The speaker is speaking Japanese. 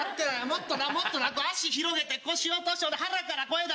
もっとなもっとな脚広げて腰落として腹から声出して。